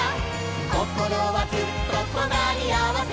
「こころはずっととなりあわせ」